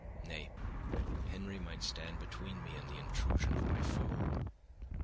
Nay, Henry might stand between me and the intrusion of my foe.